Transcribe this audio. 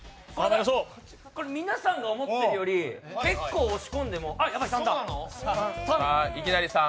皆さんが思ってるより結構押し込んでもヤバイ、３だ。